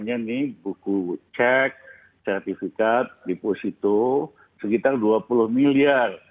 yang ingin lagi dia bawa buku cek sertifikat deposito sekitar dua puluh miliar